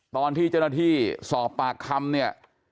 ตอนที่เจ้าหน้าที่สอบปากคำเนี่ย